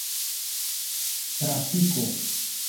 trafiko